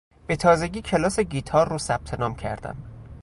به تازگی کلاس گیتار رو ثبت نام کردم